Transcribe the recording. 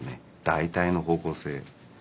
大体の方向性。